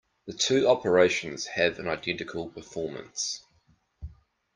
The two operations have an identical performance.